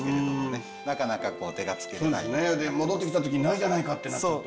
戻ってきた時に「ないじゃないか！」ってなっちゃうと。